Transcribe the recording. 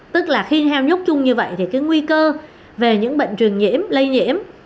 tức là khi heo nhốt chung như vậy thì cái nguy cơ về những bệnh truyền nhiễm lây nhiễm